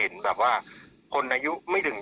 แต่กลับมาเห็นให้รู้ออกกันว่า